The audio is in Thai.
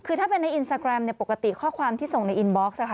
คือถ้าเป็นในอินสตาแกรมเนี่ยปกติข้อความที่ส่งในอินบ็อกซ์นะคะ